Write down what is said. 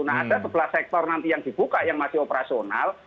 nah ada sebelas sektor nanti yang dibuka yang masih operasional